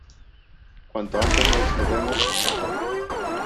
Cuanto antes nos mudemos, mejor.